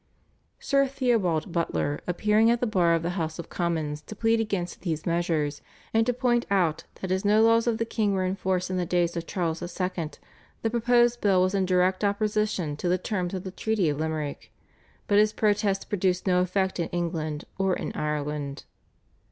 Sir Theobald Butler appeared at the bar of the House of Commons to plead against these measures, and to point out that as no laws of the king were in force in the days of Charles II. the proposed bill was in direct opposition to the terms of the Treaty of Limerick, but his protest produced no effect in England or in Ireland.